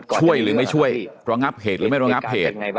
ช่วยหรือไม่ช่วยระงับเหตุหรือไม่ระงับเหตุ